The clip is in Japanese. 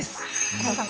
浅尾さん